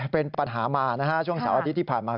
เป็นปัญหามานะฮะช่วงเสาร์อาทิตย์ที่ผ่านมา